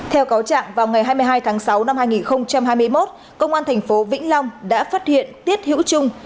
theo cáo trạng vào ngày hai mươi hai tháng sáu năm hai nghìn hai mươi một công an thành phố vĩnh long đã phát hiện tiết hữu trung